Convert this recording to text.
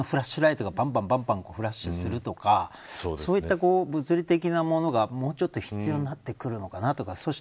あと点滅のフラッシュライトがばんばん光るとかそういった物理的なものがもうちょっと必要になってくるのかなとか。